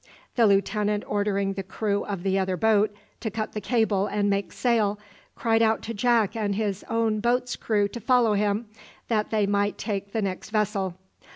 The lieutenant ordering the crew of the other boat to cut the cable and make sail, cried out to Jack and his own boat's crew to follow him, that they might take the next vessel.